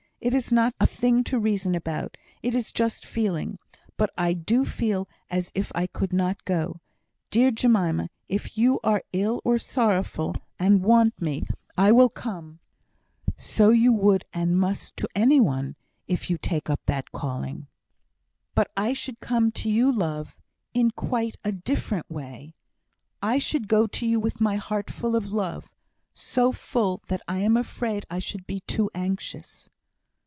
It is not a thing to reason about. It is just feeling. But I do feel as if I could not go. Dear Jemima! if you are ill or sorrowful, and want me, I will come " "So you would and must to any one, if you take up that calling." "But I should come to you, love, in quite a different way; I should go to you with my heart full of love so full that I am afraid I should be too anxious."